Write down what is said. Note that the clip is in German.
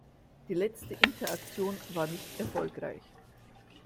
Die letzte Interaktion war nicht erfolgreich.